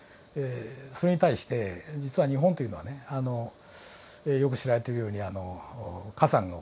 それに対して実は日本というのはねよく知られているように火山が多いと。